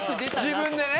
自分でね。